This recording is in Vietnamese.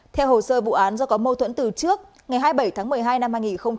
theo hồ sơ vụ án do có mâu thuẫn từ trước ngày hai mươi bảy tháng một mươi hai năm hai nghìn hai mươi